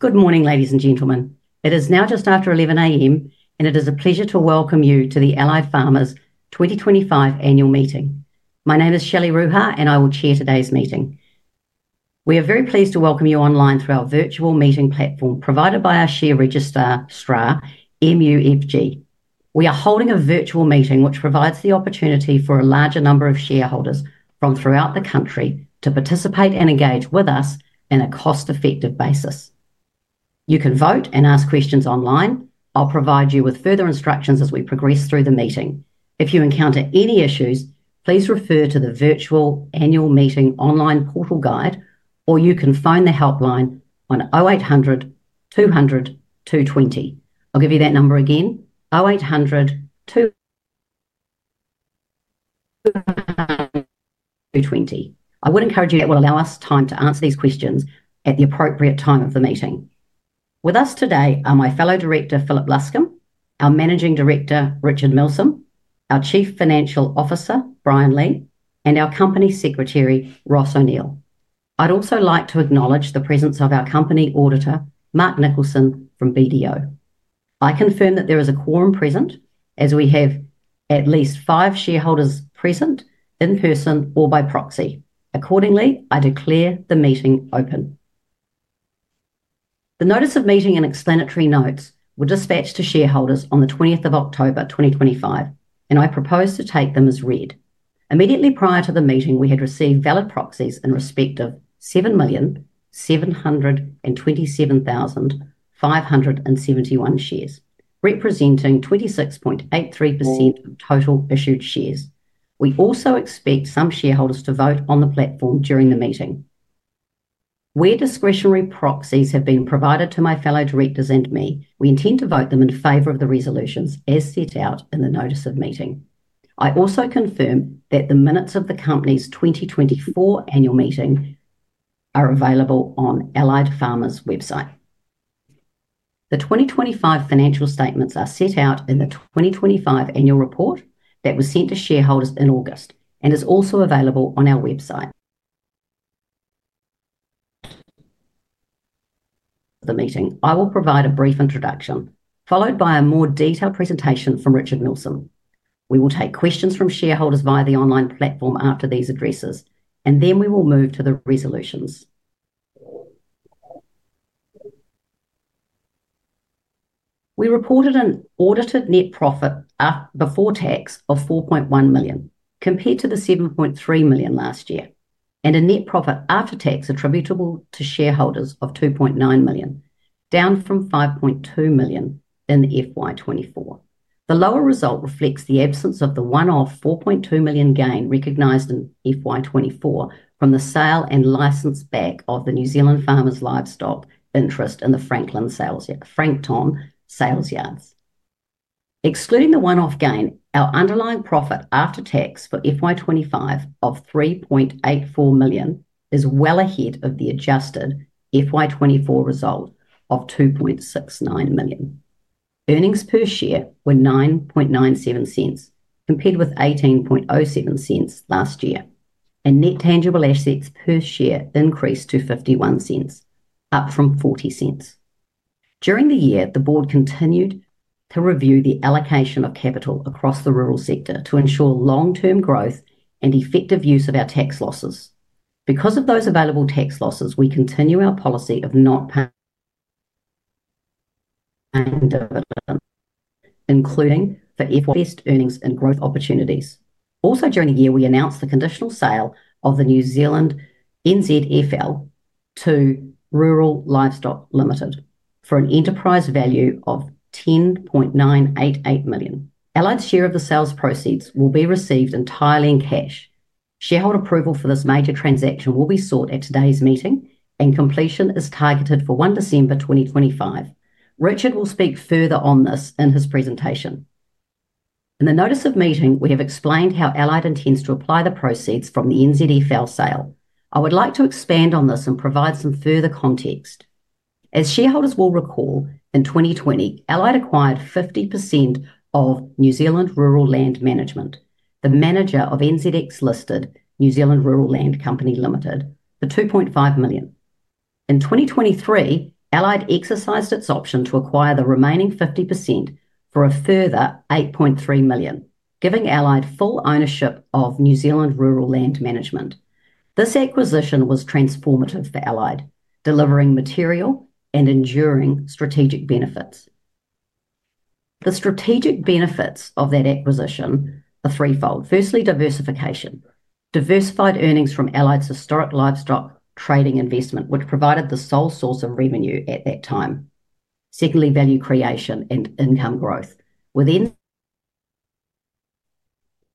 Good morning, ladies and gentlemen. It is now just after 11:00 A.M., and it is a pleasure to welcome you to the Allied Farmers 2025 Annual Meeting. My name is Shelley Ruha, and I will Chair today's meeting. We are very pleased to welcome you online through our virtual meeting platform provided by our share register, MUFG. We are holding a virtual meeting which provides the opportunity for a larger number of shareholders from throughout the country to participate and engage with us on a cost-effective basis. You can vote and ask questions online. I'll provide you with further instructions as we progress through the meeting. If you encounter any issues, please refer to the virtual annual meeting online portal guide, or you can phone the helpline on 0800-200-220. I'll give you that number again: 0800-200-220. I would encourage you that we'll allow us time to answer these questions at the appropriate time of the meeting. With us today are my fellow Director, Philip Luscombe; our Managing Director, Richard Milsom; our Chief Financial Officer, Brian Lee; and our Company Secretary, Ross O'Neill. I'd also like to acknowledge the presence of our company auditor, Mark Nicholson, from BDO. I confirm that there is a quorum present, as we have at least five shareholders present in person or by proxy. Accordingly, I declare the meeting open. The notice of meeting and explanatory notes were dispatched to shareholders on the 20th of October, 2025, and I propose to take them as read. Immediately prior to the meeting, we had received valid proxies in respect of 7,727,571 shares, representing 26.83% of total issued shares. We also expect some shareholders to vote on the platform during the meeting. Where discretionary proxies have been provided to my fellow Directors and me, we intend to vote them in favor of the resolutions as set out in the notice of meeting. I also confirm that the minutes of the company's 2024 annual meeting are available on Allied Farmers' website. The 2025 financial statements are set out in the 2025 annual report that was sent to shareholders in August and is also available on our website. The meeting. I will provide a brief introduction, followed by a more detailed presentation from Richard Milsom. We will take questions from shareholders via the online platform after these addresses, and then we will move to the resolutions. We reported an audited net profit before tax of $4.1 million compared to the $7.3 million last year, and a net profit after tax attributable to shareholders of $2.9 million, down from $5.2 million in FY24. The lower result reflects the absence of the one-off $4.2 million gain recognized in FY24 from the sale and license back of the New Zealand Farmers Livestock interest and the Franklin Sales Yards. Excluding the one-off gain, our underlying profit after tax for FY25 of $3.84 million is well ahead of the adjusted FY24 result of $2.69 million. Earnings per share were 9.97 cents compared with 18.07 cents last year, and net tangible assets per share increased to 51 cents, up from 40 cents. During the year, the Board continued to review the allocation of capital across the rural sector to ensure long-term growth and effective use of our tax losses. Because of those available tax losses, we continue our policy of not. Including for best earnings and growth opportunities. Also, during the year, we announced the conditional sale of the New Zealand NZFL to Rural Livestock Limited for an enterprise value of 10.988 million. Allied's share of the sales proceeds will be received entirely in cash. Shareholder approval for this major transaction will be sought at today's meeting, and completion is targeted for 1 December 2025. Richard will speak further on this in his presentation. In the notice of meeting, we have explained how Allied intends to apply the proceeds from the NZFL sale. I would like to expand on this and provide some further context. As shareholders will recall, in 2020, Allied acquired 50% of New Zealand Rural Land Management, the manager of NZX-listed New Zealand Rural Land Company Limited, for 2.5 million. In 2023, Allied exercised its option to acquire the remaining 50% for a further $8.3 million, giving Allied full ownership of New Zealand Rural Land Management. This acquisition was transformative for Allied, delivering material and enduring strategic benefits. The strategic benefits of that acquisition are threefold. Firstly, diversification: diversified earnings from Allied's historic livestock trading investment, which provided the sole source of revenue at that time. Secondly, value creation and income growth. Within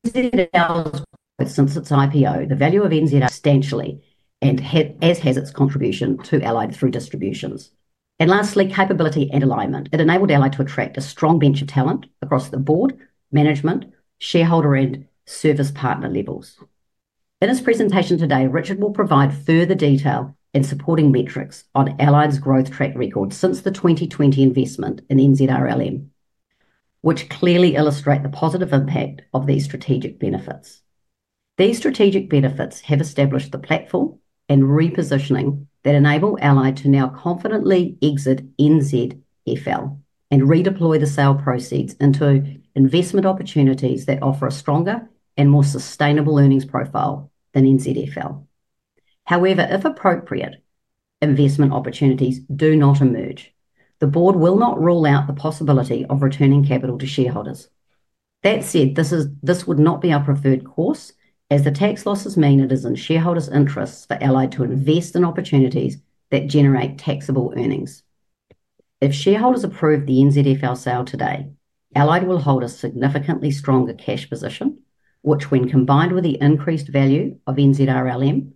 NZFL's growth since its IPO, the value of NZFL substantially and as has its contribution to Allied through distributions. Lastly, capability and alignment. It enabled Allied to attract a strong bench of talent across the Board, management, shareholder, and service partner levels. In his presentation today, Richard will provide further detail and supporting metrics on Allied's growth track record since the 2020 investment in NZRLM, which clearly illustrate the positive impact of these strategic benefits. These strategic benefits have established the platform and repositioning that enable Allied to now confidently exit NZFL and redeploy the sale proceeds into investment opportunities that offer a stronger and more sustainable earnings profile than NZFL. However, if appropriate investment opportunities do not emerge, the Board will not rule out the possibility of returning capital to shareholders. That said, this would not be our preferred course, as the tax losses mean it is in shareholders' interest for Allied to invest in opportunities that generate taxable earnings. If shareholders approve the NZFL sale today, Allied will hold a significantly stronger cash position, which, when combined with the increased value of NZRLM,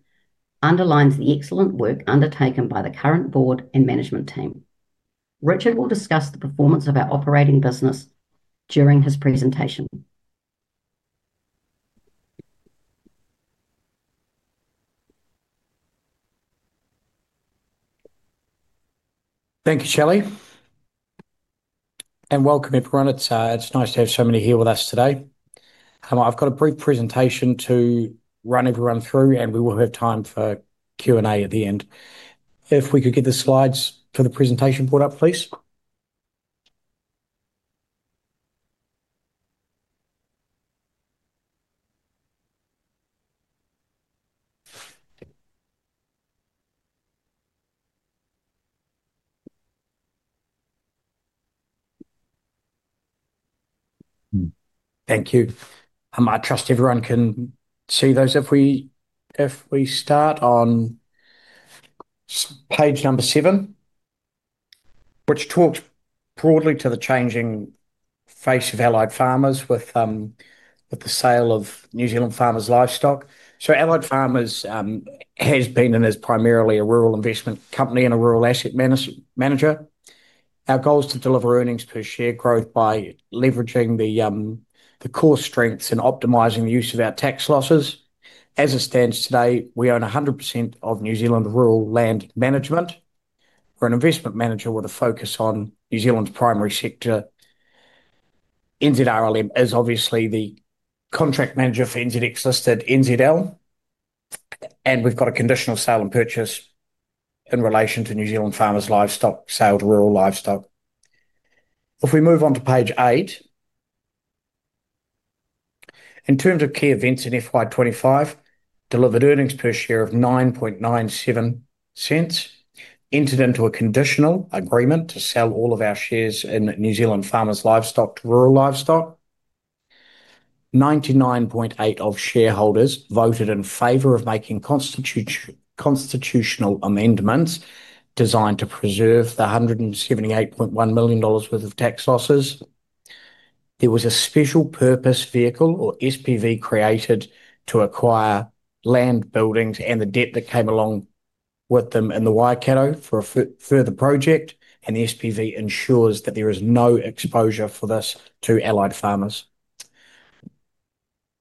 underlines the excellent work undertaken by the current Board and management team. Richard will discuss the performance of our operating business during his presentation. Thank you, Shelley. Welcome, everyone. It's nice to have so many here with us today. I've got a brief presentation to run everyone through, and we will have time for Q&A at the end. If we could get the slides for the presentation brought up, please. Thank you. I trust everyone can see those. If we start on page number seven, which talks broadly to the changing face of Allied Farmers with the sale of New Zealand Farmers Livestock. Allied Farmers has been and is primarily a rural investment company and a rural asset manager. Our goal is to deliver earnings per share growth by leveraging the core strengths and optimizing the use of our tax losses. As it stands today, we own 100% of New Zealand Rural Land Management. We're an Investment Manager with a focus on New Zealand's primary sector. NZRLM is obviously the contract manager for NZX-listed NZL. We have a conditional sale and purchase in relation to New Zealand Farmers Livestock, sale to Rural Livestock. If we move on to page eight. In terms of key events in FY25, delivered earnings per share of $0.0997, entered into a conditional agreement to sell all of our shares in New Zealand Farmers Livestock to Rural Livestock. 99.8% of shareholders voted in favor of making constitutional amendments designed to preserve the $178.1 million worth of tax losses. There was a special purpose vehicle, or SPV, created to acquire land, buildings, and the debt that came along with them in the Waikato for a further project, and the SPV ensures that there is no exposure for this to Allied Farmers.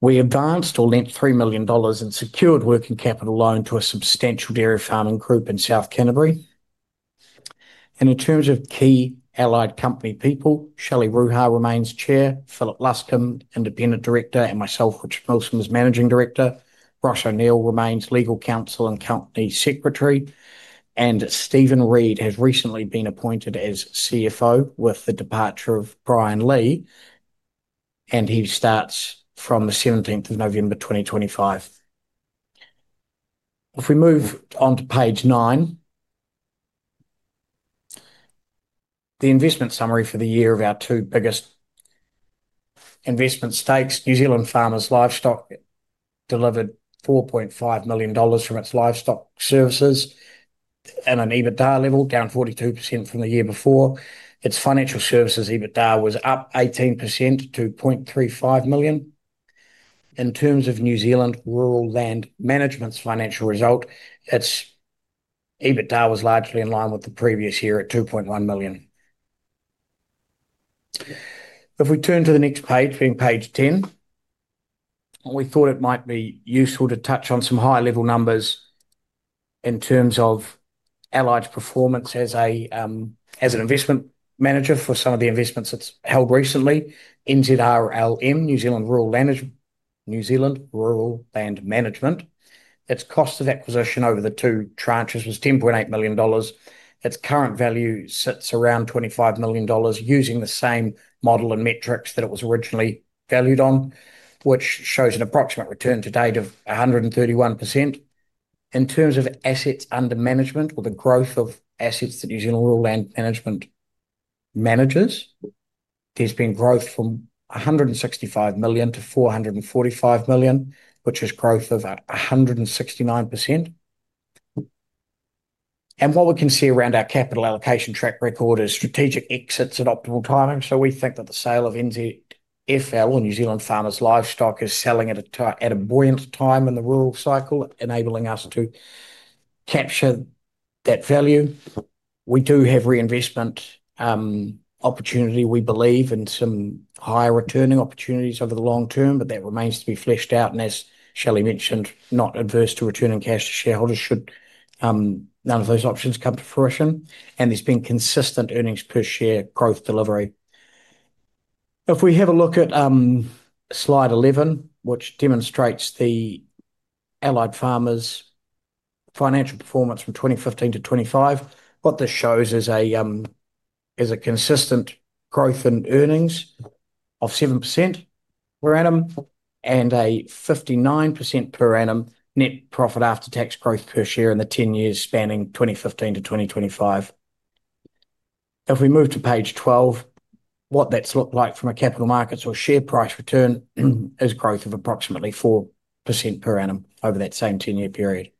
We advanced or lent $3 million and secured a working capital loan to a substantial dairy farming group in South Canterbury. In terms of key Allied company people, Shelley Ruha remains Chair, Philip Luscombe, Independent Director, and myself, as Managing Director. Ross O'Neill remains Legal Counsel and Company Secretary, and Stephen Reid has recently been appointed as CFO with the departure of Brian Lee. He starts from the 17th of November, 2025. If we move on to page nine, the investment summary for the year of our two biggest investment stakes. New Zealand Farmers Livestock delivered $4.5 million from its livestock services, and at an EBITDA level, down 42% from the year before. Its financial services EBITDA was up 18% to $0.35 million. In terms of New Zealand Rural Land Management's financial result, its EBITDA was largely in line with the previous year at $2.1 million. If we turn to the next page, being page 10, we thought it might be useful to touch on some high-level numbers. In terms of Allied's performance as an Investment Manager for some of the investments it's held recently, NZRLM, New Zealand Rural Land Management, its cost of acquisition over the two tranches was $10.8 million. Its current value sits around $25 million using the same model and metrics that it was originally valued on, which shows an approximate return to date of 131%. In terms of assets under management or the growth of assets that New Zealand Rural Land Management manages, there's been growth from $165 million to $445 million, which is growth of 169%. What we can see around our capital allocation track record is strategic exits at optimal timing. We think that the sale of NZFL, New Zealand Farmers Livestock, is selling at a buoyant time in the rural cycle, enabling us to capture that value. We do have reinvestment opportunity. We believe in some higher returning opportunities over the long term, but that remains to be fleshed out. As Shelley mentioned, not adverse to returning cash to shareholders should none of those options come to fruition. There has been consistent earnings per share growth delivery. If we have a look at slide 11, which demonstrates the Allied Farmers financial performance from 2015-2025, what this shows is a consistent growth in earnings of 7% per annum and a 59% per annum net profit after tax growth per share in the 10 years spanning 2015-2025. If we move to page 12, what that has looked like from a capital markets or share price return is growth of approximately 4% per annum over that same 10-year period.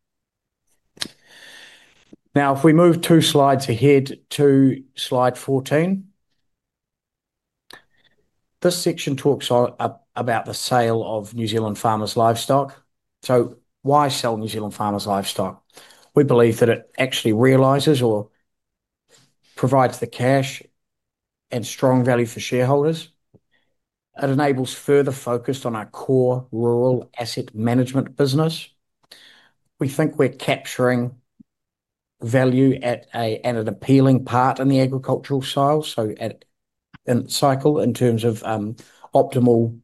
If we move two slides ahead to slide 14, this section talks about the sale of New Zealand Farmers Livestock. Why sell New Zealand Farmers Livestock? We believe that it actually realizes or provides the cash and strong value for shareholders. It enables further focus on our core rural asset management business. We think we're capturing value at an appealing part in the agricultural sale cycle in terms of optimal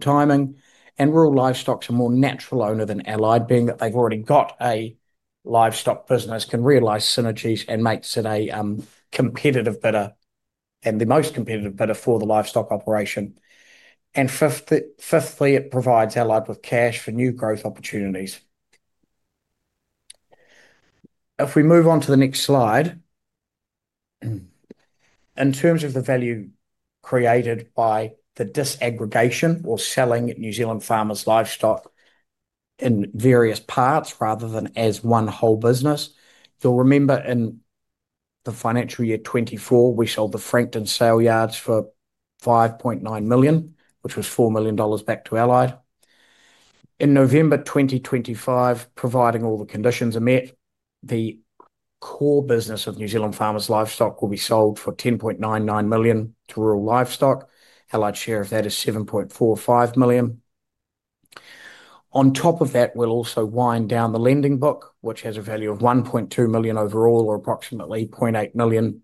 timing. Rural Livestock Limited is a more natural owner than Allied, being that they've already got a livestock business, can realize synergies, and makes it a competitive bidder, and the most competitive bidder for the livestock operation. Fifthly, it provides Allied with cash for new growth opportunities. If we move on to the next slide, in terms of the value created by the disaggregation or selling New Zealand Farmers Livestock. In various parts rather than as one whole business, you'll remember in the financial year 2024, we sold the Franklin Sales Yards for $5.9 million, which was $4 million back to Allied. In November 2025, providing all the conditions are met, the core business of New Zealand Farmers Livestock will be sold for $10.99 million to Rural Livestock. Allied share of that is $7.45 million. On top of that, we'll also wind down the lending book, which has a value of $1.2 million overall, or approximately $0.8 million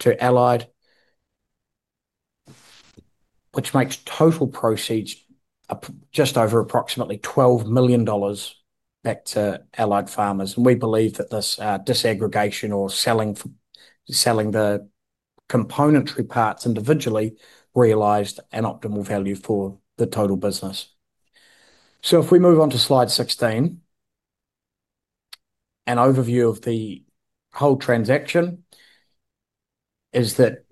to Allied. Which makes total proceeds just over approximately $12 million back to Allied Farmers. We believe that this disaggregation or selling the componentary parts individually realized an optimal value for the total business. If we move on to slide 16, an overview of the whole transaction is that.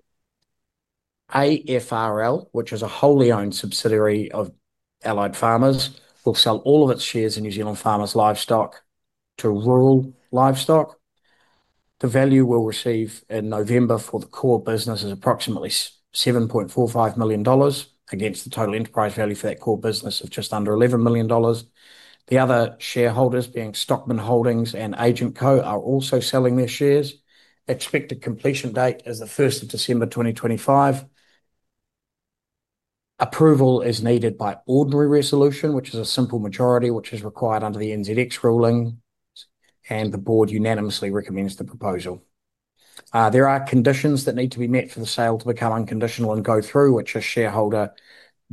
AFRL, which is a wholly owned subsidiary of Allied Farmers, will sell all of its shares in New Zealand Farmers Livestock to Rural Livestock. The value we'll receive in November for the core business is approximately $7.45 million against the total enterprise value for that core business of just under $11 million. The other shareholders, being Stockman Holdings and AgentCo, are also selling their shares. Expected completion date is the 1st of December 2025. Approval is needed by ordinary resolution, which is a simple majority, which is required under the NZX ruling. The Board unanimously recommends the proposal. There are conditions that need to be met for the sale to become unconditional and go through, which are shareholder,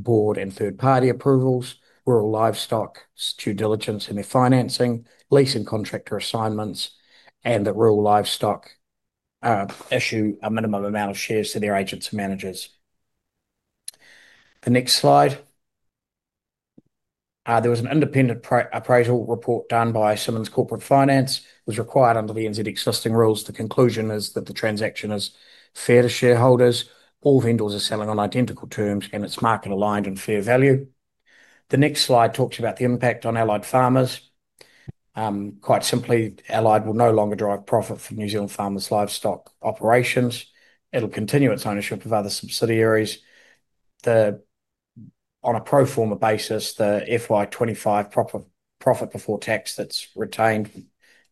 Board, and third-party approvals, Rural Livestock due diligence in their financing, lease and contractor assignments, and that Rural Livestock issue a minimum amount of shares to their agents and managers. The next slide. There was an independent appraisal report done by Simmons Corporate Finance. It was required under the NZX-listing rules. The conclusion is that the transaction is fair to shareholders. All vendors are selling on identical terms, and it's market-aligned and fair value. The next slide talks about the impact on Allied Farmers. Quite simply, Allied will no longer drive profit from New Zealand Farmers Livestock operations. It'll continue its ownership of other subsidiaries. On a pro forma basis, the FY25 profit before tax that's retained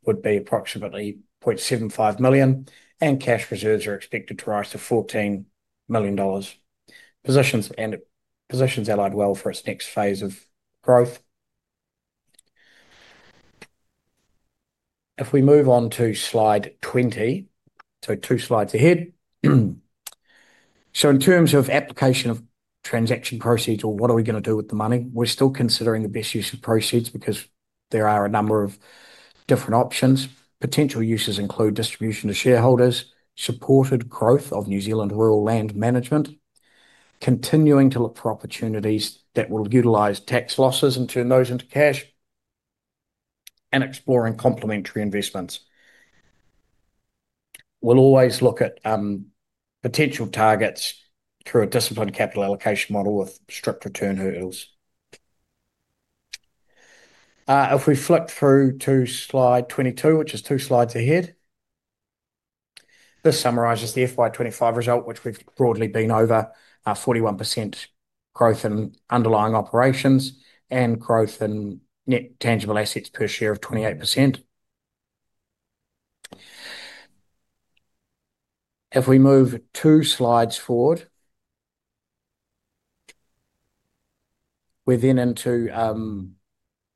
would be approximately $0.75 million, and cash reserves are expected to rise to $14 million. Positions Allied well for its next phase of growth. If we move on to slide 20, so two slides ahead. In terms of application of transaction proceeds or what are we going to do with the money, we're still considering the best use of proceeds because there are a number of different options. Potential uses include distribution to shareholders, supported growth of New Zealand Rural Land Management, continuing to look for opportunities that will utilize tax losses and turn those into cash, and exploring complementary investments. We'll always look at potential targets through a disciplined capital allocation model with strict return hurdles. If we flick through to slide 22, which is two slides ahead, this summarizes the FY25 result, which we've broadly been over, 41% growth in underlying operations and growth in net tangible assets per share of 28%. If we move two slides forward, we're then into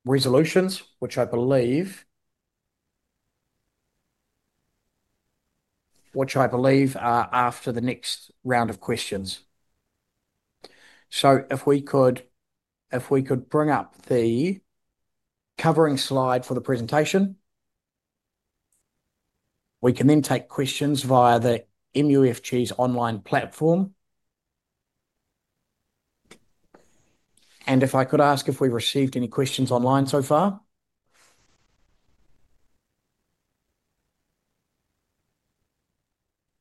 resolutions, which I believe are after the next round of questions. If we could bring up the. Covering slide for the presentation. We can then take questions via the MUFG's online platform. If I could ask if we've received any questions online so far.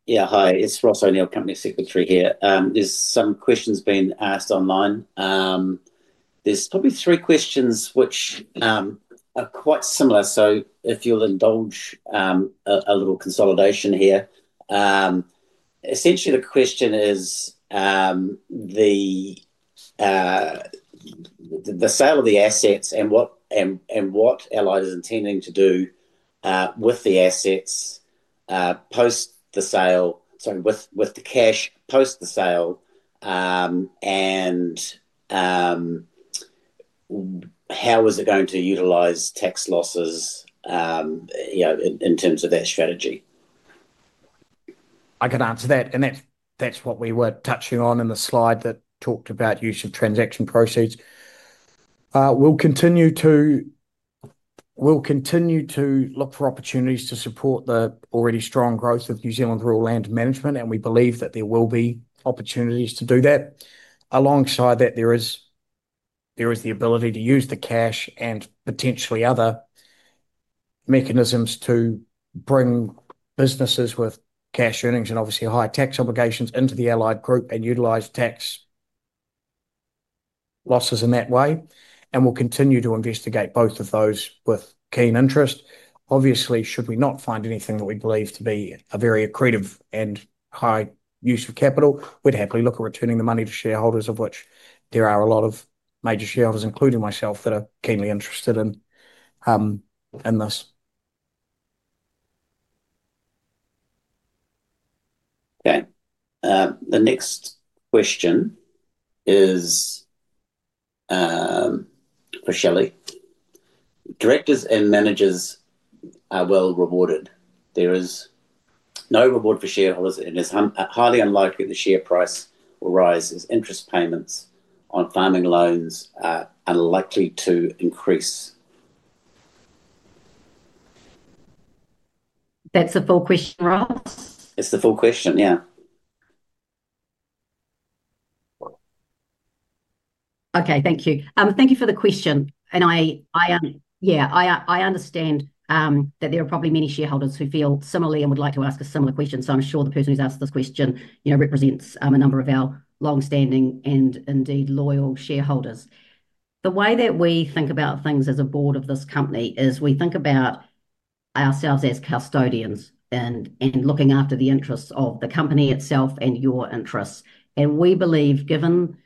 Yeah, hi. It's Ross O'Neill, Company Secretary here. There's some questions being asked online. There's probably three questions which are quite similar. If you'll indulge a little consolidation here. Essentially, the question is the sale of the assets and what Allied is intending to do with the assets post the sale, sorry, with the cash post the sale. How is it going to utilize tax losses in terms of that strategy? I can answer that. That's what we were touching on in the slide that talked about use of transaction proceeds. We'll continue to. Look for opportunities to support the already strong growth of New Zealand Rural Land Management, and we believe that there will be opportunities to do that. Alongside that, there is the ability to use the cash and potentially other mechanisms to bring businesses with cash earnings and obviously high tax obligations into the Allied Group and utilize tax losses in that way. We'll continue to investigate both of those with keen interest. Obviously, should we not find anything that we believe to be a very accretive and high use of capital, we'd happily look at returning the money to shareholders, of which there are a lot of major shareholders, including myself, that are keenly interested in this. Okay. The next question is for Shelley. Directors and managers are well rewarded. There is no reward for shareholders, and it's highly unlikely that the share price will rise. Interest payments on farming loans are unlikely to increase. That's the full question, Ross? It's the full question, yeah. Okay, thank you. Thank you for the question. Yeah, I understand that there are probably many shareholders who feel similarly and would like to ask a similar question. I'm sure the person who's asked this question represents a number of our long-standing and indeed loyal shareholders. The way that we think about things as a board of this company is we think about ourselves as custodians and looking after the interests of the company itself and your interests. We believe, given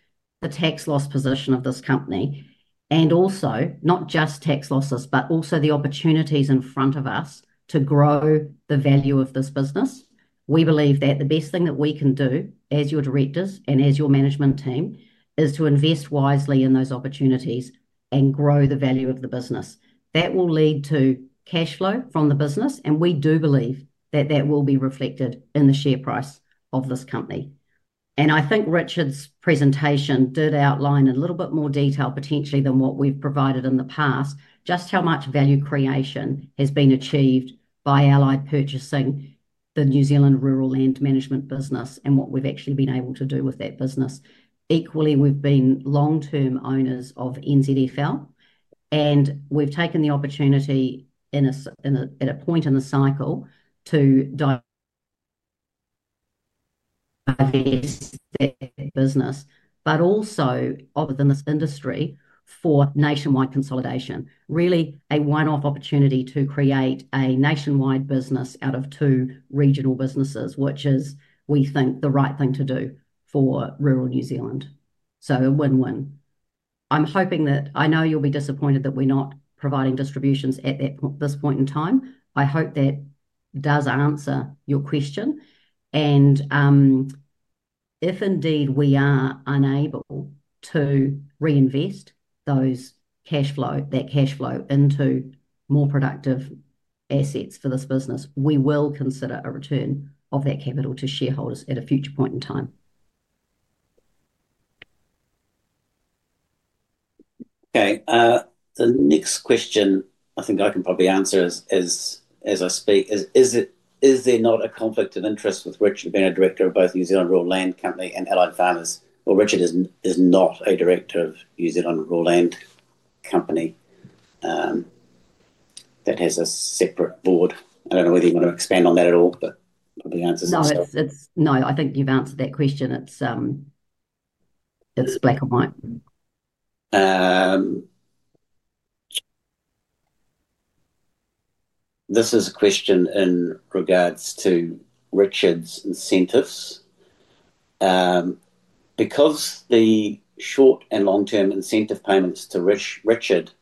the tax loss position of this company, and also not just tax losses, but also the opportunities in front of us to grow the value of this business, we believe that the best thing that we can do as your Directors and as your management team is to invest wisely in those opportunities and grow the value of the business. That will lead to cash flow from the business, and we do believe that that will be reflected in the share price of this company. I think Richard's presentation did outline in a little bit more detail potentially than what we've provided in the past, just how much value creation has been achieved by Allied purchasing the New Zealand Rural Land Management business and what we've actually been able to do with that business. Equally, we've been long-term owners of NZFL, and we've taken the opportunity at a point in the cycle to divest that business, but also within this industry for nationwide consolidation. Really, a one-off opportunity to create a nationwide business out of two regional businesses, which is, we think, the right thing to do for rural New Zealand. A win-win. I'm hoping that I know you'll be disappointed that we're not providing distributions at this point in time. I hope that does answer your question. If indeed we are unable to reinvest that cash flow into more productive assets for this business, we will consider a return of that capital to shareholders at a future point in time. Okay. The next question I think I can probably answer as I speak is, is there not a conflict of interest with Richard being a Director of both New Zealand Rural Land Company and Allied Farmers? Richard is not a Director of New Zealand Rural Land Company. That has a separate board. I do not know whether you want to expand on that at all, but probably answers itself. No, I think you have answered that question. It is black and white. This is a question in regards to Richard's incentives. Because the short and long-term incentive payments to Richard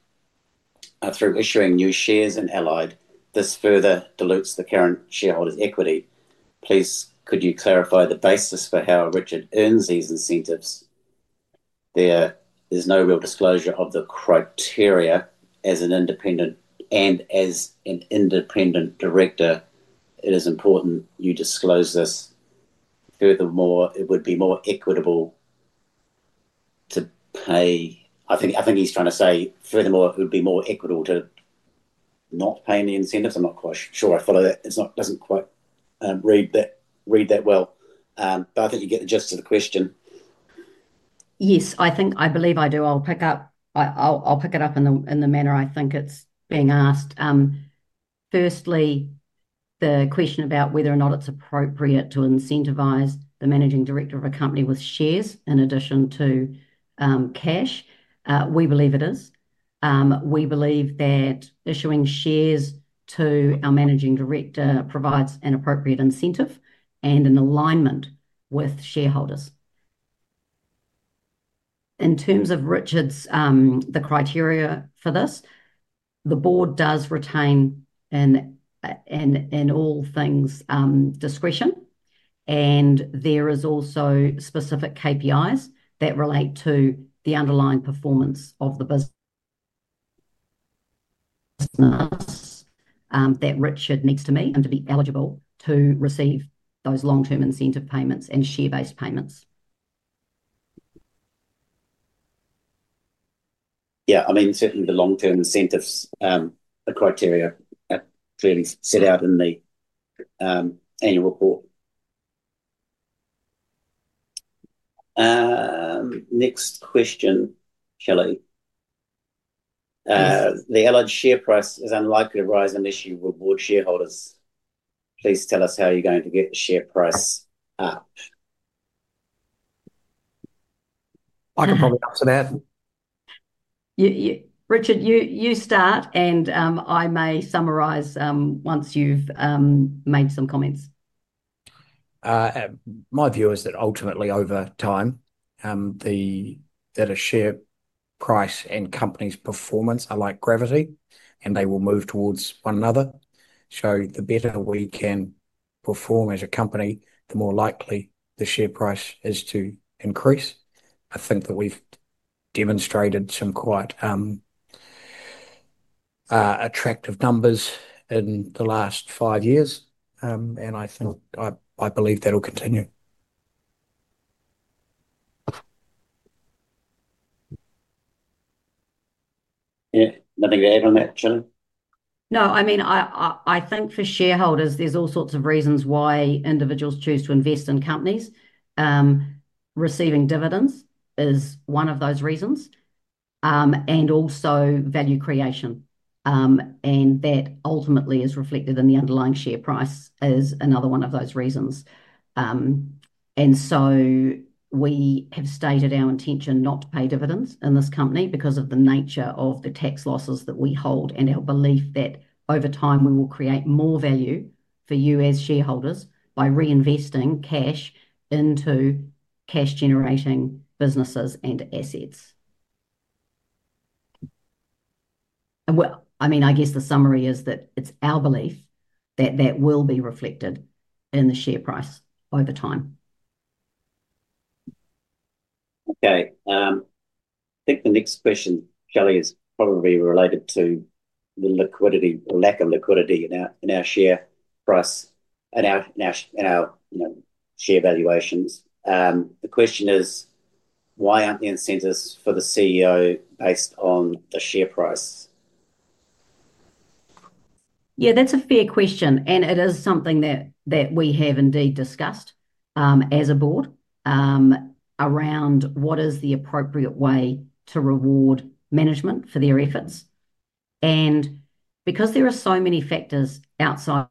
are through issuing new shares in Allied, this further dilutes the current shareholders' equity. Please, could you clarify the basis for how Richard earns these incentives? There is no real disclosure of the criteria. As an independent and as an Independent Director, it is important you disclose this. Furthermore, it would be more equitable to pay—I think he's trying to say, furthermore, it would be more equitable to not pay any incentives. I'm not quite sure I follow that. It doesn't quite read that well. I think you get the gist of the question. Yes, I believe I do. I'll pick it up in the manner I think it's being asked. Firstly, the question about whether or not it's appropriate to incentivize the Managing Director of a company with shares in addition to cash, we believe it is. We believe that issuing shares to our Managing Director provides an appropriate incentive and an alignment with shareholders. In terms of Richard's, the criteria for this, the board does retain all things. Discretion. There are also specific KPIs that relate to the underlying performance of the business. That Richard needs to meet and to be eligible to receive those long-term incentive payments and share-based payments. Yeah, I mean, certainly the long-term incentives, the criteria are clearly set out in the annual report. Next question, Shelley. The Allied share price is unlikely to rise unless you reward shareholders. Please tell us how you're going to get the share price up. I can probably answer that. Richard, you start, and I may summarize once you've made some comments. My view is that ultimately, over time, the share price and company's performance are like gravity, and they will move towards one another. The better we can perform as a company, the more likely the share price is to increase. I think that we've demonstrated some quite attractive numbers in the last five years, and I believe that'll continue. Yeah. Nothing to add on that, Shelley? No, I mean, I think for shareholders, there's all sorts of reasons why individuals choose to invest in companies. Receiving dividends is one of those reasons. Also value creation. That ultimately is reflected in the underlying share price as another one of those reasons. We have stated our intention not to pay dividends in this company because of the nature of the tax losses that we hold and our belief that over time, we will create more value for you as shareholders by reinvesting cash into cash-generating businesses and assets. I mean, I guess the summary is that it's our belief that that will be reflected in the share price over time. Okay. I think the next question, Shelley, is probably related to the lack of liquidity in our share price, in our share valuations. The question is. Why aren't the incentives for the CEO based on the share price? Yeah, that's a fair question. It is something that we have indeed discussed as a Board around what is the appropriate way to reward management for their efforts. Because there are so many factors outside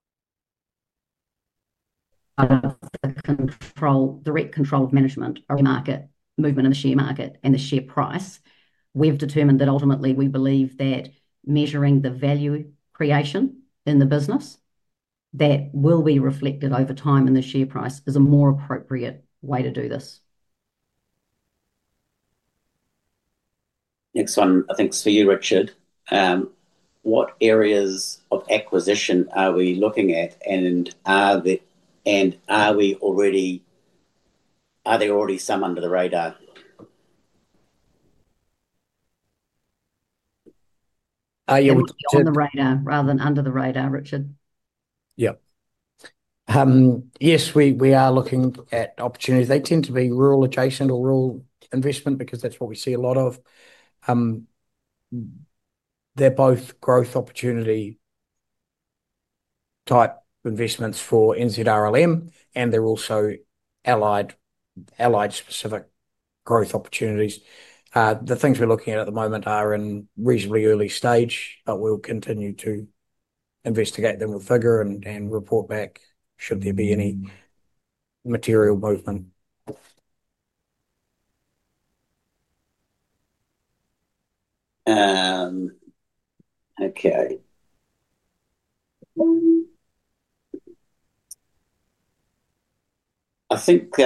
the direct control of management, market movement, and the share market and the share price, we've determined that ultimately, we believe that measuring the value creation in the business that will be reflected over time in the share price is a more appropriate way to do this. Next one, I think it's for you, Richard. What areas of acquisition are we looking at, and are we already, are there already some under the radar? Are you on the radar rather than under the radar, Richard? Yeah. Yes, we are looking at opportunities. They tend to be rural-adjacent or rural investment because that's what we see a lot of. They're both growth opportunity type investments for NZRLM, and they're also Allied-specific growth opportunities. The things we're looking at at the moment are in reasonably early stage, but we'll continue to investigate them, we'll figure and report back should there be any material movement. Okay. I think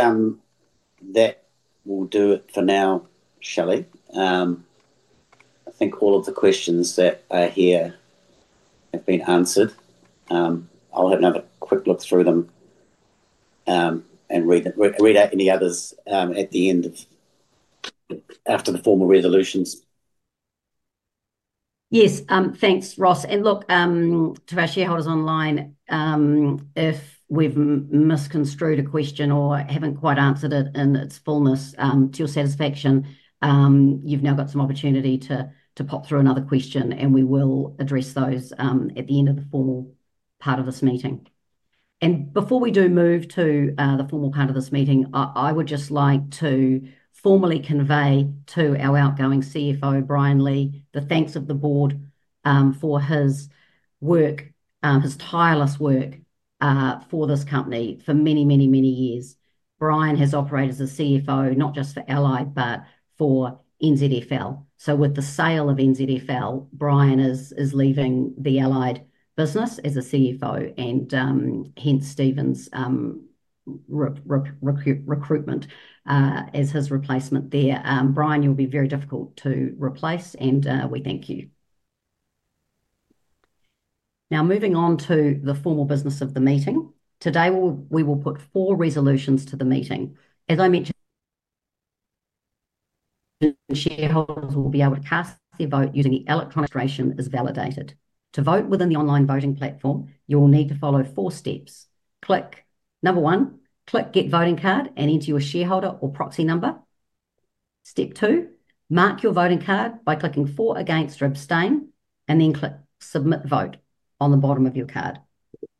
that will do it for now, Shelley. I think all of the questions that are here have been answered. I'll have another quick look through them and read out any others at the end after the formal resolutions. Yes, thanks, Ross. And look, to our shareholders online. If we've misconstrued a question or haven't quite answered it in its fullness to your satisfaction, you've now got some opportunity to pop through another question, and we will address those at the end of the formal part of this meeting. Before we do move to the formal part of this meeting, I would just like to formally convey to our outgoing CFO, Brian Lee, the thanks of the Board for his work, his tireless work for this company for many, many, many years. Brian has operated as a CFO not just for Allied, but for NZFL. With the sale of NZFL, Brian is leaving the Allied business as a CFO and hence Stephen's recruitment as his replacement there. Brian, you'll be very difficult to replace, and we thank you. Now, moving on to the formal business of the meeting. Today, we will put four resolutions to the meeting. As I mentioned, shareholders will be able to cast their vote using electronic registration as validated. To vote within the online voting platform, you will need to follow four steps. Number one, click Get Voting Card and enter your shareholder or proxy number. Step two, mark your voting card by clicking For, Against, or Abstain, and then click Submit Vote on the bottom of your card.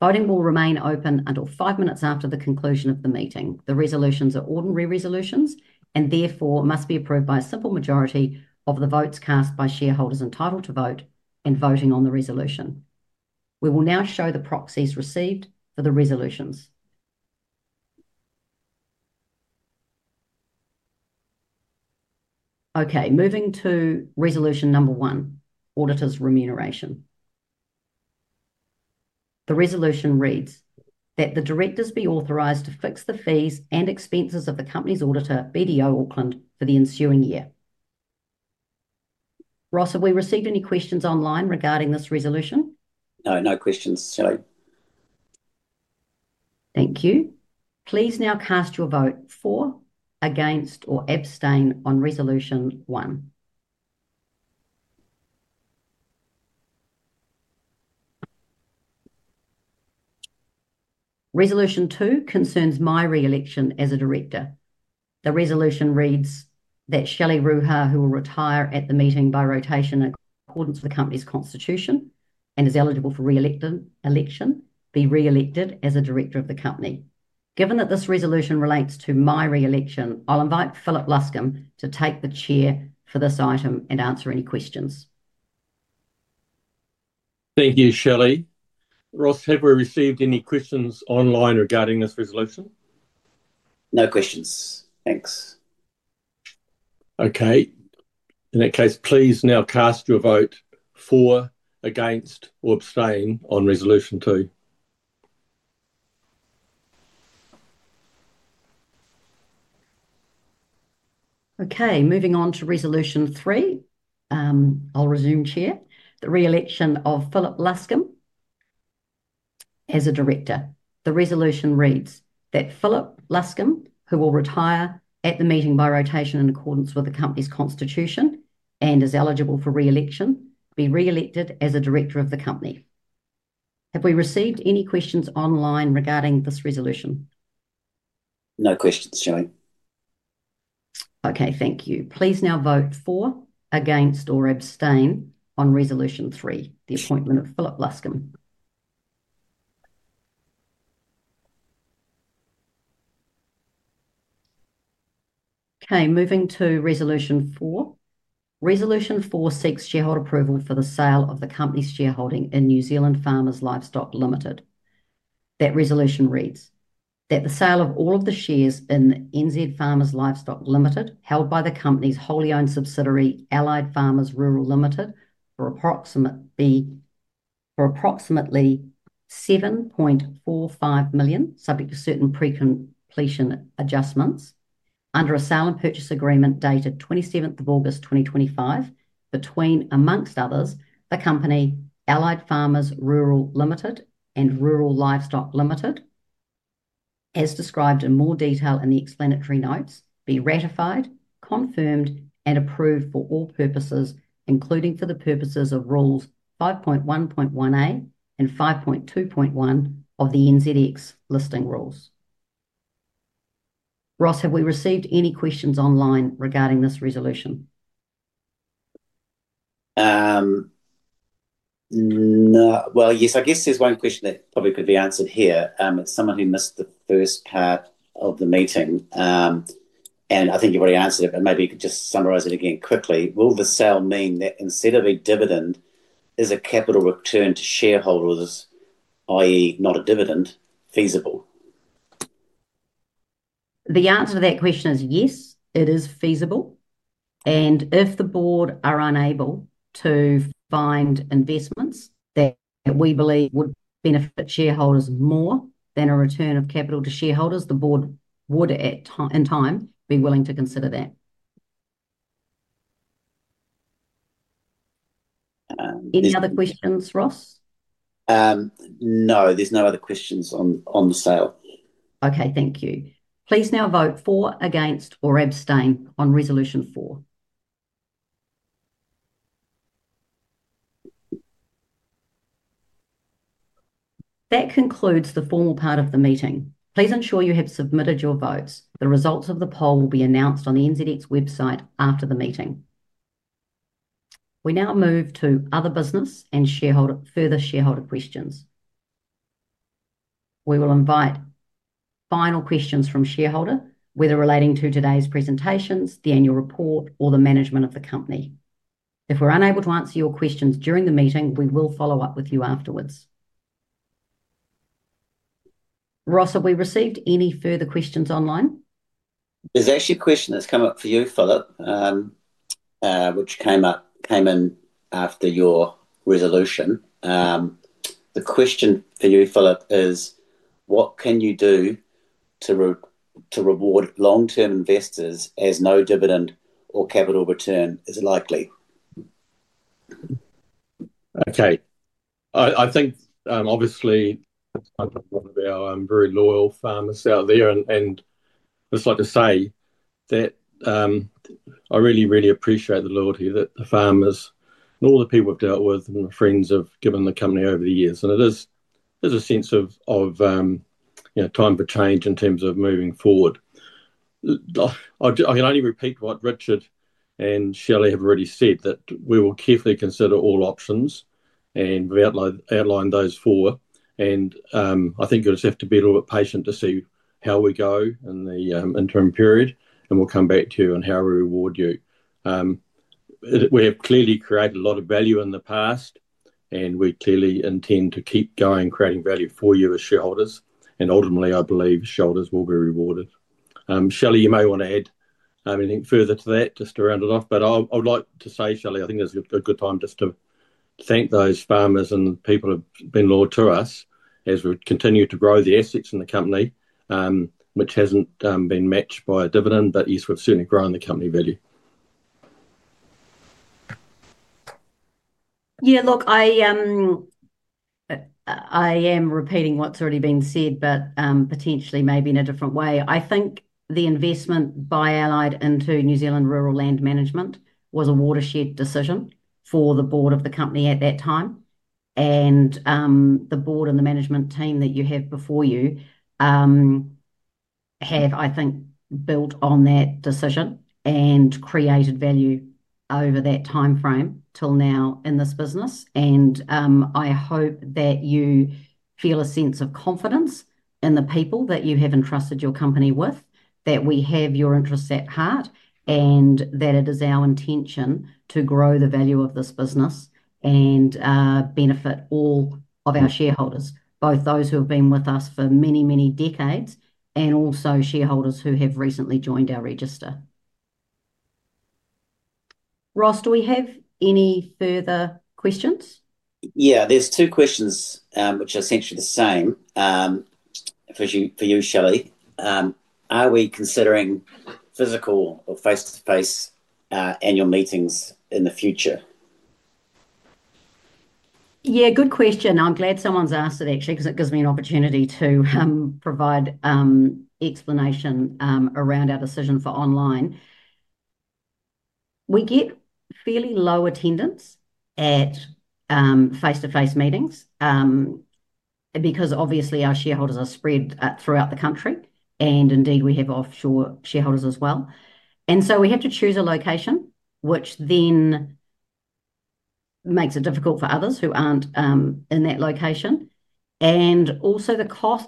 Voting will remain open until five minutes after the conclusion of the meeting. The resolutions are ordinary resolutions and therefore must be approved by a simple majority of the votes cast by shareholders entitled to vote in voting on the resolution. We will now show the proxies received for the resolutions. Okay, moving to resolution number one, Auditor's Remuneration. The resolution reads that the Directors be authorized to fix the fees and expenses of the company's auditor, BDO Auckland, for the ensuing year. Ross, have we received any questions online regarding this resolution? No, no questions, Shelley. Thank you. Please now cast your vote for, against, or abstain on resolution one. Resolution two concerns my re-election as a Director. The resolution reads that Shelley Ruha, who will retire at the meeting by rotation according to the company's constitution and is eligible for re-election, be re-elected as a Director of the company. Given that this resolution relates to my re-election, I'll invite Philip Luscombe to take the chair for this item and answer any questions. Thank you, Shelley. Ross, have we received any questions online regarding this resolution? No questions. Thanks. Okay. In that case, please now cast your vote for, against, or abstain on resolution two. Okay, moving on to resolution three. I'll resume Chair. The re-election of Philip Luscombe as a Director. The resolution reads that Philip Luscombe, who will retire at the meeting by rotation in accordance with the company's constitution and is eligible for re-election, be re-elected as a Director of the company. Have we received any questions online regarding this resolution? No questions, Shelley. Okay, thank you. Please now vote for, against, or abstain on resolution three, the appointment of Philip Luscombe. Okay, moving to resolution four. Resolution four seeks shareholder approval for the sale of the company's shareholding in New Zealand Farmers Livestock Limited. That resolution reads that the sale of all of the shares in NZ Farmers Livestock Limited held by the company's wholly owned subsidiary, Allied Farmers Rural Limited, for approximately. $7.45 million, subject to certain pre-completion adjustments, under a sale and purchase agreement dated 27th of August, 2025, between, amongst others, the company Allied Farmers Rural Limited and Rural Livestock Limited. As described in more detail in the explanatory notes, be ratified, confirmed, and approved for all purposes, including for the purposes of rules 5.1.1a and 5.2.1 of the NZX listing rules. Ross, have we received any questions online regarding this resolution? Yes, I guess there's one question that probably could be answered here. It's someone who missed the first part of the meeting. I think you've already answered it, but maybe you could just summarize it again quickly. Will the sale mean that instead of a dividend, is a capital return to shareholders, i.e., not a dividend, feasible? The answer to that question is yes, it is feasible. If the Board are unable to find investments that we believe would benefit shareholders more than a return of capital to shareholders, the Board would, in time, be willing to consider that. Any other questions, Ross? No, there's no other questions on the sale. Okay, thank you. Please now vote for, against, or abstain on resolution four. That concludes the formal part of the meeting. Please ensure you have submitted your votes. The results of the poll will be announced on the NZX website after the meeting. We now move to other business and further shareholder questions. We will invite final questions from shareholders, whether relating to today's presentations, the annual report, or the management of the company. If we're unable to answer your questions during the meeting, we will follow up with you afterwards. Ross, have we received any further questions online? There's actually a question that's come up for you, Philip. Which came in after your resolution. The question for you, Philip, is what can you do to reward long-term investors as no dividend or capital return is likely? Okay. I think, obviously, I'm one of our very loyal farmers out there, and I'd just like to say that I really, really appreciate the loyalty that the farmers and all the people we've dealt with and the friends have given the company over the years. There's a sense of time for change in terms of moving forward. I can only repeat what Richard and Shelley have already said, that we will carefully consider all options and we've outlined those for. I think you'll just have to be a little bit patient to see how we go in the interim period, and we'll come back to you on how we reward you. We have clearly created a lot of value in the past. We clearly intend to keep going, creating value for you as shareholders. Ultimately, I believe shareholders will be rewarded. Shelley, you may want to add anything further to that just to round it off. I would like to say, Shelley, I think this is a good time just to thank those farmers and people who have been loyal to us as we continue to grow the assets in the company, which hasn't been matched by a dividend, but yes, we've certainly grown the company value. Yeah, look, I am repeating what's already been said, but potentially maybe in a different way. I think the investment by Allied into New Zealand Rural Land Management was a watershed decision for the Board of the company at that time. The Board and the management team that you have before you have, I think, built on that decision and created value over that timeframe till now in this business. I hope that you feel a sense of confidence in the people that you have entrusted your company with, that we have your interests at heart, and that it is our intention to grow the value of this business and benefit all of our shareholders, both those who have been with us for many, many decades and also shareholders who have recently joined our register. Ross, do we have any further questions? Yeah, there's two questions which are essentially the same for you, Shelley. Are we considering physical or face-to-face annual meetings in the future? Yeah, good question. I'm glad someone's asked it, actually, because it gives me an opportunity to provide explanation around our decision for online. We get fairly low attendance at face-to-face meetings because obviously our shareholders are spread throughout the country, and indeed we have offshore shareholders as well. We have to choose a location, which then makes it difficult for others who aren't in that location. Also,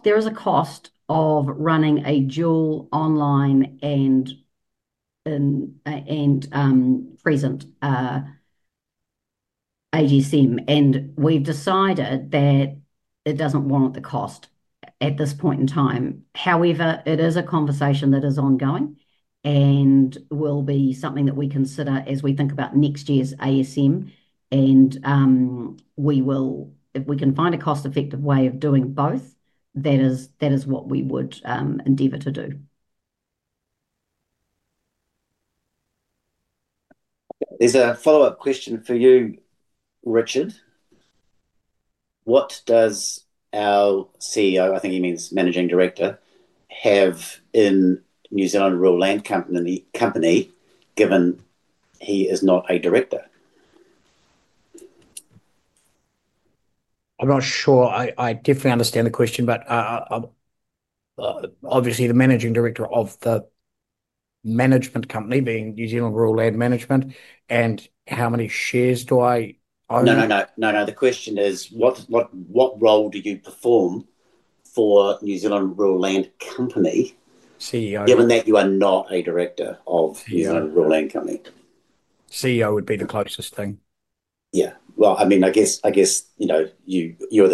there is a cost of running a dual online and present AGSM. We've decided that it doesn't warrant the cost at this point in time. However, it is a conversation that is ongoing and will be something that we consider as we think about next year's ASM. If we can find a cost-effective way of doing both, that is what we would endeavour to do. There's a follow-up question for you, Richard. What does our CEO, I think he means Managing Director, have in New Zealand Rural Land Company given he is not a Director? I'm not sure I definitely understand the question, but obviously the Managing Director of the management company, being New Zealand Rural Land Management, and how many shares do I own? No, no, no, no, no. The question is, what role do you perform for New Zealand Rural Land Company? CEO? Given that you are not a Director of New Zealand Rural Land Company. CEO would be the closest thing. Yeah. I mean, I guess you're the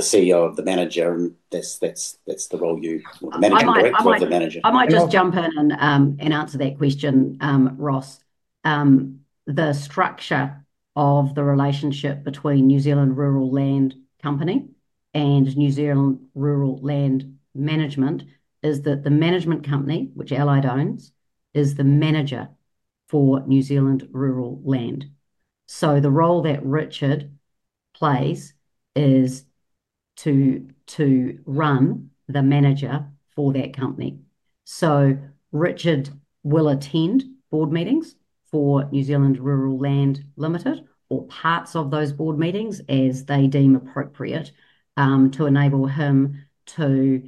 CEO, the Manager, and that's the role you or the Managing Director or the Manager. I might just jump in and answer that question, Ross. The structure of the relationship between New Zealand Rural Land Company and New Zealand Rural Land Management is that the management company, which Allied owns, is the manager for New Zealand Rural Land. The role that Richard plays is to run the Manager for that company. Richard will attend Board meetings for New Zealand Rural Land Limited or parts of those board meetings as they deem appropriate to enable him to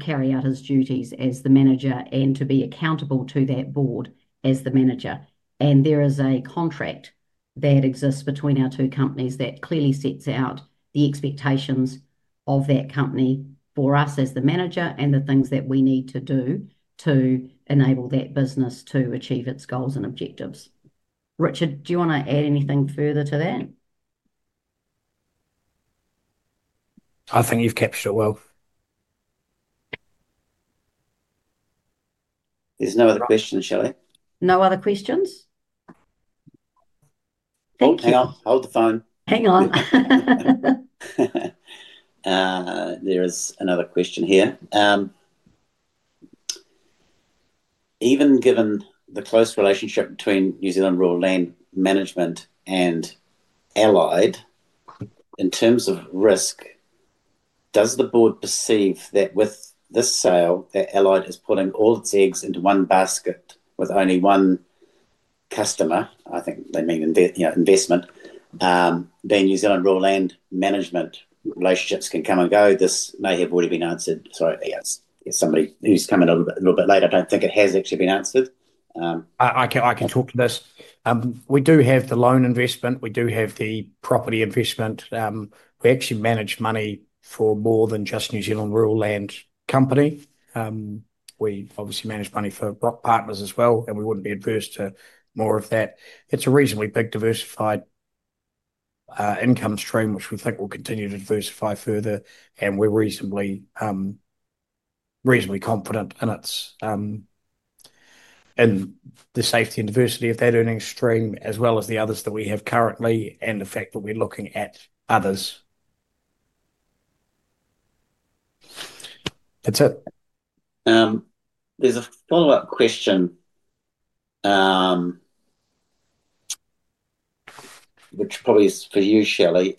carry out his duties as the Manager and to be accountable to that Board as the Manager. There is a contract that exists between our two companies that clearly sets out the expectations of that company for us as the Manager and the things that we need to do to enable that business to achieve its goals and objectives. Richard, do you want to add anything further to that? I think you've captured it well. There's no other questions, Shelley. No other questions? Thank you. Okay, I'll hold the phone. Hang on. There is another question here. Even given the close relationship between New Zealand Rural Land Management and Allied, in terms of risk, does the board perceive that with this sale, that Allied is putting all its eggs into one basket with only one customer? I think they mean investment. Then New Zealand Rural Land Management relationships can come and go. This may have already been answered. Sorry, somebody who's coming a little bit later, I don't think it has actually been answered. I can talk to this. We do have the loan investment. We do have the property investment. We actually manage money for more than just New Zealand Rural Land Company. We obviously manage money for Brock Partners as well, and we wouldn't be adverse to more of that. It's a reasonably big, diversified income stream, which we think will continue to diversify further, and we're reasonably confident in the safety and diversity of that earnings stream, as well as the others that we have currently, and the fact that we're looking at others. That's it. There's a follow-up question, which probably is for you, Shelley.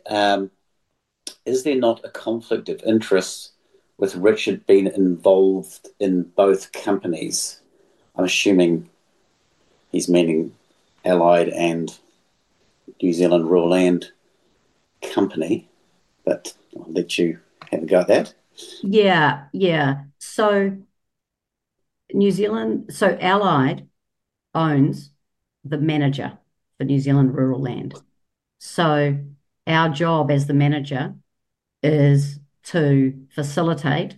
Is there not a conflict of interest with Richard being involved in both companies? I'm assuming he's meaning Allied and New Zealand Rural Land Company, but I'll let you have a go at that. Yeah, yeah. Allied owns the Manager for New Zealand Rural Land. Our job as the Manager is to facilitate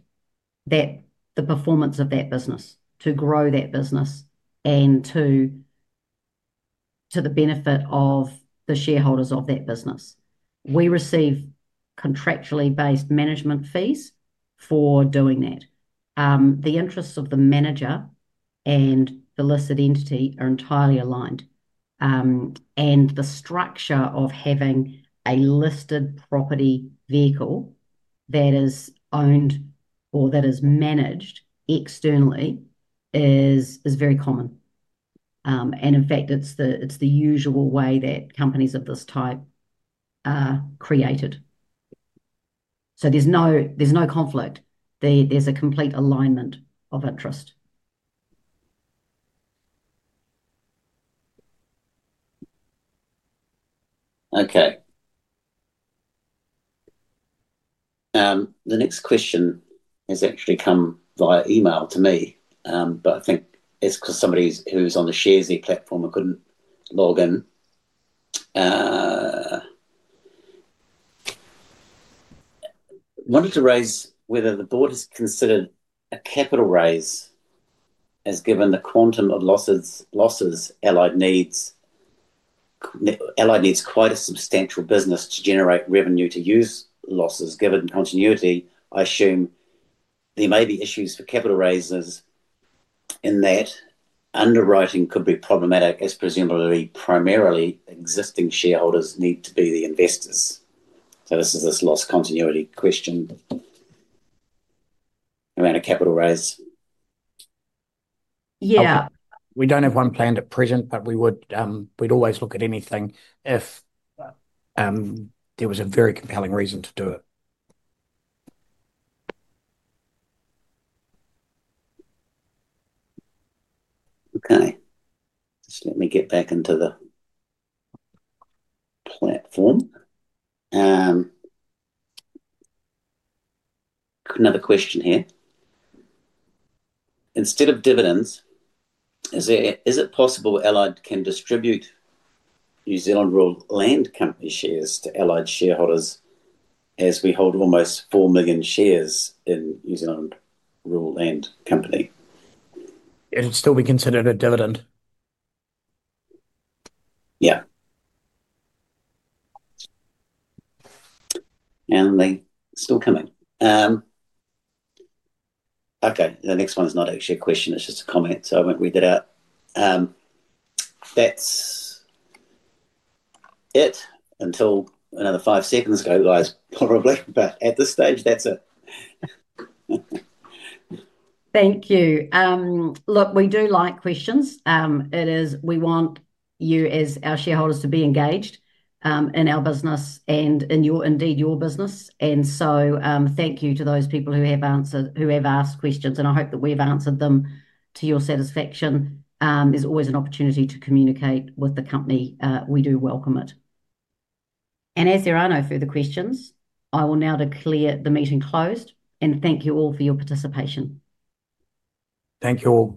the performance of that business, to grow that business, to the benefit of the shareholders of that business. We receive contractually based management fees for doing that. The interests of the Manager and the listed entity are entirely aligned. The structure of having a listed property vehicle that is owned or that is managed externally is very common. In fact, it is the usual way that companies of this type are created. There is no conflict. There is a complete alignment of interest. Okay. The next question has actually come via email to me, but I think it is because somebody who is on the Sharesy platform could not log in. I wanted to raise whether the board has considered a capital raise, as given the quantum of losses Allied needs quite a substantial business to generate revenue to use losses. Given continuity, I assume there may be issues for capital raises in that underwriting could be problematic as presumably primarily existing shareholders need to be the investors. This is this loss continuity question around a capital raise. Yeah. We don't have one planned at present, but we'd always look at anything if there was a very compelling reason to do it. Okay. Just let me get back into the platform. Another question here. Instead of dividends, is it possible Allied can distribute New Zealand Rural Land Company shares to Allied shareholders as we hold almost 4 million shares in New Zealand Rural Land Company? It would still be considered a dividend. Yeah. And they're still coming. Okay. The next one is not actually a question. It's just a comment. So I won't read it out. That's it until another five seconds ago, guys. Probably. But at this stage, that's it. Thank you. Look, we do like questions. We want you as our shareholders to be engaged in our business and indeed your business. And so thank you to those people who have asked questions. I hope that we've answered them to your satisfaction. There is always an opportunity to communicate with the company. We do welcome it. As there are no further questions, I will now declare the meeting closed and thank you all for your participation. Thank you all.